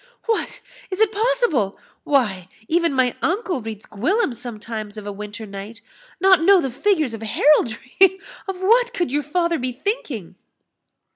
"What! is it possible? Why, even my uncle reads Gwillym sometimes of a winter night Not know the figures of heraldry! of what could your father be thinking?"